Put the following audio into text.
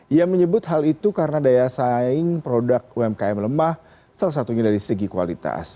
ia menyebut hal itu karena daya saing produk umkm lemah salah satunya dari segi kualitas